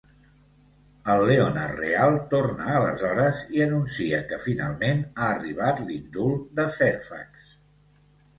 El Leonard real torna aleshores i anuncia que finalment ha arribat l'indult de Fairfax.